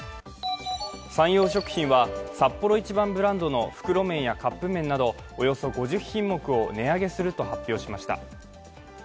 サンヨー食品はサッポロ一番ブランドの袋麺やカップ麺などおよそ５０品目を値上げすると発表しました。